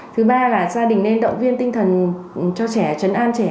thứ ba là gia đình nên động viên tinh thần cho trẻ chấn an trẻ